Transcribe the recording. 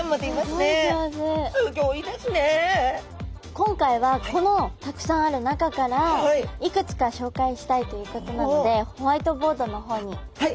今回はこのたくさんある中からいくつか紹介したいということなのでホワイトボードの方に行きましょう！